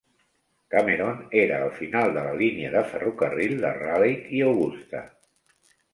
Cameron era al final de la línia de ferrocarril de Raleigh i Augusta.